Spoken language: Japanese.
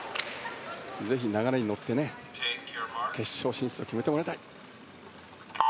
ぜひ流れに乗って決勝進出を決めてもらいたい。